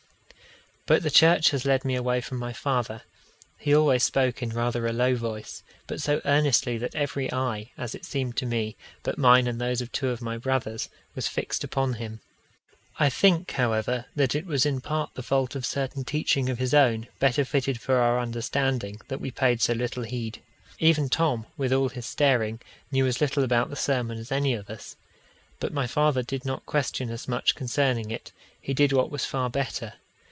But the church has led me away from my father. He always spoke in rather a low voice, but so earnestly that every eye, as it seemed to me, but mine and those of two of my brothers, was fixed upon him. I think, however, that it was in part the fault of certain teaching of his own, better fitted for our understanding, that we paid so little heed. Even Tom, with all his staring, knew as little about the sermon as any of us. But my father did not question us much concerning it; he did what was far better.